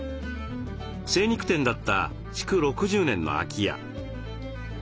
精肉店だった築６０年の空き家。